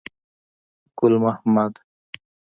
ګل محمد.